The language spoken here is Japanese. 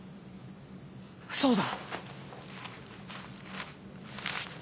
そうだ。